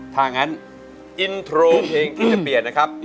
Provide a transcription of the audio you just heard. ถ้างั้นอินโทรเพลงที่จะเปลี่ยนนะครับ